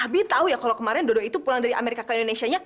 abi tau ya kalo kemarin dodo itu pulang dari amerika ke indonesia nya